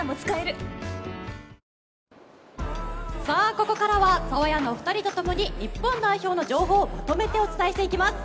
ここからはサワヤンのお二人とともに日本代表の情報をまとめてお伝えしていきます。